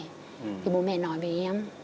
thì bố mẹ nói với em